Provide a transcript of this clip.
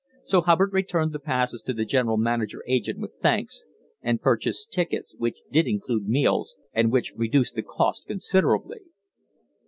So Hubbard returned the passes to the general passenger agent with thanks, and purchased tickets, which did include meals, and which reduced the cost considerably.